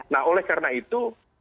nah oleh karena itu